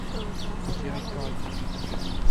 Au directoire exécutif.